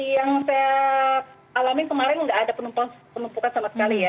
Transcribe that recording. yang saya alamin kemarin nggak ada penumpukan sama sekali ya